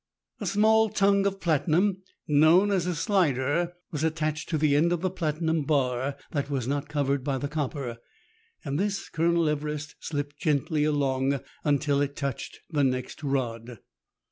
A small tongue of platinum, known as a slider, was attached to the end of the platinum bar that was not covered by the copper, and this Colonel Everest slipped gently along until it touched the next rod.